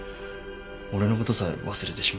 俺のことさえ忘れてしまうんです。